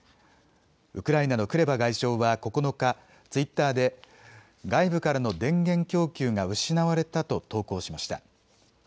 ウクライナのクレバ外相は９日ツイッターで外部からの電源供給が失われたと投稿しました。